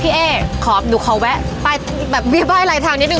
พี่เอ๊ขอดูขอแวะแบบวิบ้ายไลน์ทางนิดนึง